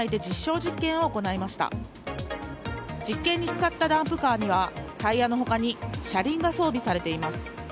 実験に使ったダンプカーにはタイヤの他に車輪が装備されています。